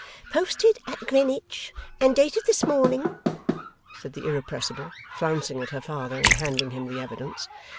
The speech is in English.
'Posted at Greenwich, and dated this morning,' said the Irrepressible, flouncing at her father in handing him the evidence.